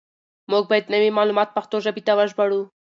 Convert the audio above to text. موږ بايد نوي معلومات پښتو ژبې ته وژباړو.